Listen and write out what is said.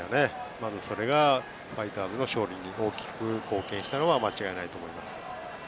まずそれがファイターズの勝利に大きく貢献したのは間違いないと思います。